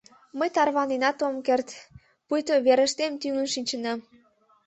Мый тарваненат ом керт, пуйто верыштем тӱҥын шинчынам.